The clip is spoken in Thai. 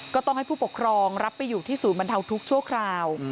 ก็ต้องให้ผู้ปกครองรับไปอยู่ที่ศูนย์บรรเทาทุกข์ชั่วคราว